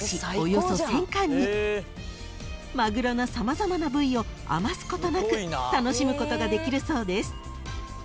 ［マグロの様々な部位を余すことなく楽しむことができるそうです］